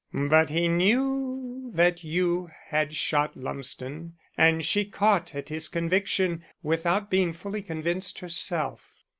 But he knew that you had shot Lumsden and she caught at his conviction without being fully convinced herself.